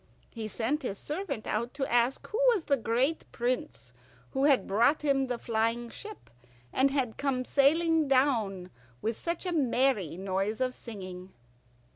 He sent his servant out to ask who was the great prince who had brought him the flying ship, and had come sailing down with such a merry noise of singing.